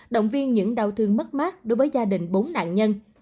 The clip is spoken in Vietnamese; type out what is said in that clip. động viên những đau thương mất mát đối với gia đình bốn nạn nhân